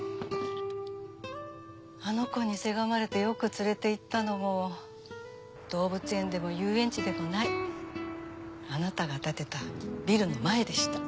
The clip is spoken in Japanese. あの子にせがまれてよく連れて行ったのも動物園でも遊園地でもないあなたが建てたビルの前でした。